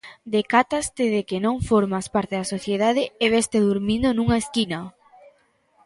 Decátaste de que non formas parte da sociedade e veste durmindo nunha esquina.